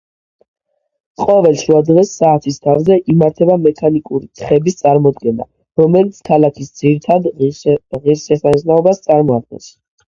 ყოველ შუადღეს საათის თავზე იმართება მექანიკური თხების წარმოდგენა, რომელიც ქალაქის ძირითად ღირსშესანიშნაობას წარმოადგენს.